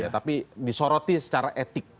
tapi disoroti secara etik